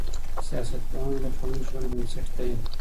سياست پوهنه د ټولنيز ژوند بنسټ دی.